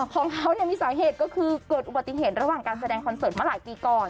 ของเขามีสาเหตุก็คือเกิดอุบัติเหตุระหว่างการแสดงคอนเสิร์ตมาหลายปีก่อน